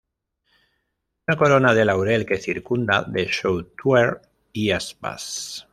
Una corona de laurel que circunda de sotuer y aspas.